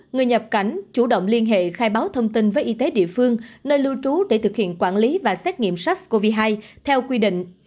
người nhập cảnh chủ động liên hệ khai báo thông tin với y tế địa phương nơi lưu trú để thực hiện quản lý và xét nghiệm sars cov hai theo quy định